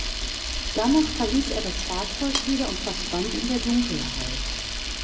Danach verließ er das Fahrzeug wieder und verschwand in der Dunkelheit.